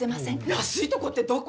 安いとこってどこ？